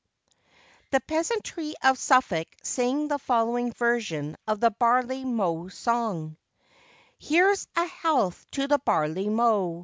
[THE peasantry of Suffolk sing the following version of the Barley Mow Song.] HERE'S a health to the barley mow!